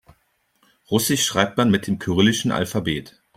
Russisch schreibt man mit dem kyrillischen Alphabet.